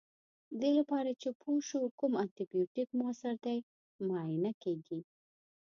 دې لپاره چې پوه شو کوم انټي بیوټیک موثر دی معاینه کیږي.